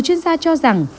một chuyên gia cho rằng